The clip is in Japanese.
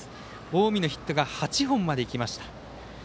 近江のヒットが８本までいきました。